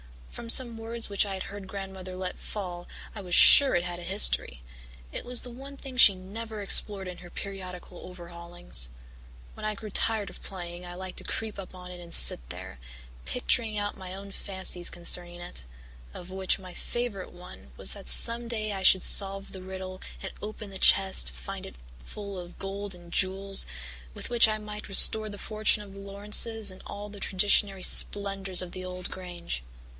From some words which I had heard Grandmother let fall I was sure it had a history; it was the one thing she never explored in her periodical overhaulings. When I grew tired of playing I liked to creep up on it and sit there, picturing out my own fancies concerning it of which my favourite one was that some day I should solve the riddle and open the chest to find it full of gold and jewels with which I might restore the fortune of the Laurances and all the traditionary splendours of the old Grange.